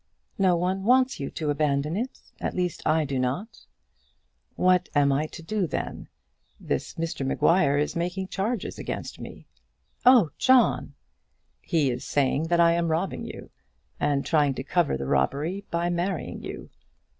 "No one wants you to abandon it. At least, I do not." "What am I to do, then? This Mr Maguire is making charges against me." "Oh, John!" "He is saying that I am robbing you, and trying to cover the robbery by marrying you.